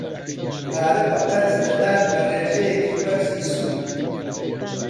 پارە بە قەرز دەدات بە ڕێژەیەکی بەرزی سوود.